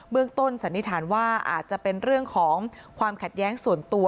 ต้นสันนิษฐานว่าอาจจะเป็นเรื่องของความขัดแย้งส่วนตัว